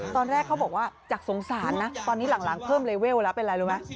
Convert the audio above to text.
ตอนแรกเขาบอกว่าจากสงสารนะตอนนี้หลังเพิ่มเลเวลแล้วเป็นอะไรรู้ไหม